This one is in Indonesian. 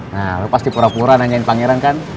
nah lo pasti pura pura nanyain pangeran kan